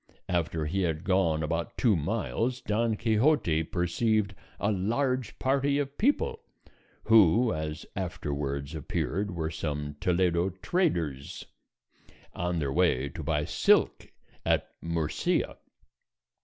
After he had gone about two miles Don Quixote perceived a large party of people, who as afterwards appeared were some Toledo traders, on their way to buy silk at Murcia.